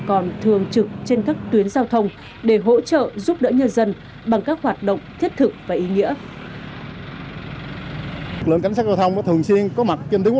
còn thường trực trên các tuyến giao thông để hỗ trợ giúp đỡ nhân dân bằng các hoạt động thiết thực và ý nghĩa